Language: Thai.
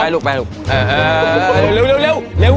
ไปลูกไปลูก